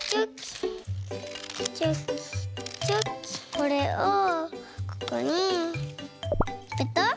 これをここにペタッ。